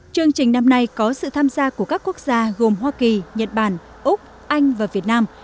chương trình năm nay có sự tham gia của các quốc gia gồm hoa kỳ nhật bản úc anh và việt nam